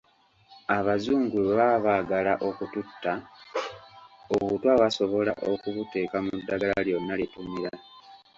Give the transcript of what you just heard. Abazungu bwe baba baagala okututta, obutwa basobola okubuteeka mu ddagala lyonna lye tumira.